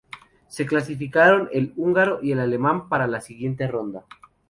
Se clasificaron el húngaro y el alemán para la siguiente ronda.